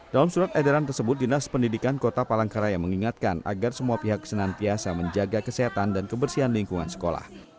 dalam surat edaran tersebut dinas pendidikan kota palangkaraya mengingatkan agar semua pihak senantiasa menjaga kesehatan dan kebersihan lingkungan sekolah